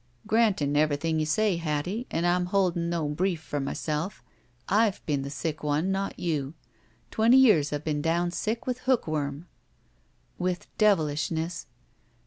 "Grantin' everything you say, Hattie — and I'm holdin' no brief for myself — Fve been the sick one, not you. Twenty years I've been down sick with hookworm." "With deviUshness."